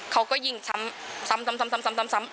เขาก็ยิงซ้ำ